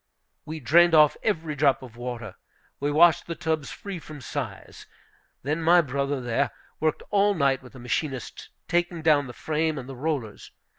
We drained off every drop of water. We washed the tubs free from size. Then my brother, there, worked all night with the machinists, taking down the frame and the rollers.